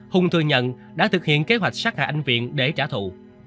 hùng thừa nhận đã thực hiện kế hoạch sát hạ anh viện để trả thù